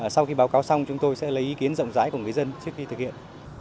sau khi báo cáo xong chúng tôi sẽ lấy ý kiến rộng rãi của người dân trước khi thực hiện